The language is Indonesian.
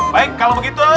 baik kalau begitu